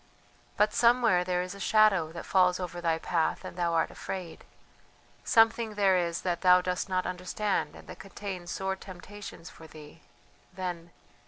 "But somewhere there is a shadow that falls over thy path and thou art afraid something there is that thou dost not understand and that contains sore temptations for thee ... then....